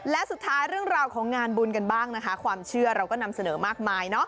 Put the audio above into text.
และสุดท้ายเรื่องราวของงานบุญกันบ้างนะคะความเชื่อเราก็นำเสนอมากมาย